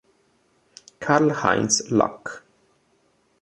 Karl-Heinz Luck